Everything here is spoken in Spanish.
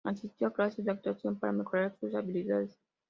Asistió a clases de actuación para mejorar sus habilidades.